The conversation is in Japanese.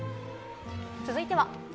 続いては。